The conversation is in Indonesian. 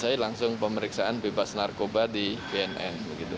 selesai langsung pemeriksaan bebas narkoba di bnn